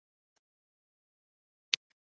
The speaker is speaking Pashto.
مصنوعي ځیرکتیا د انسان هوساینه پیاوړې کوي.